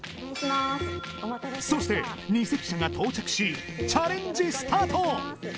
そしてニセ記者が到着しチャレンジスタート